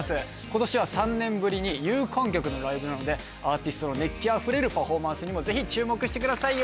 今年は３年ぶりに有観客のライブなのでアーティストの熱気あふれるパフォーマンスにもぜひ注目してください